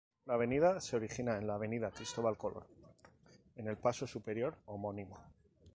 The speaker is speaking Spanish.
La avenida se origina en la Avenida Cristóbal Colón, En el Paso Superior homónimo.